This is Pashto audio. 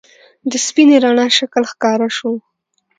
د سپینې رڼا شکل ښکاره شو.